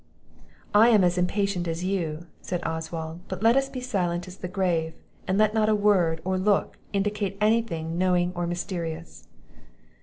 "I am as impatient as you," said Oswald; "but let us be silent as the grave, and let not a word or look indicate any thing knowing or mysterious."